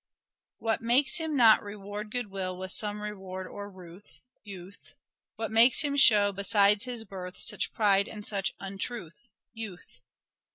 What makes him not reward good will with some reward or ruth ?— Youth. What makes him show besides his birth such pride and such untruth ?— Youth.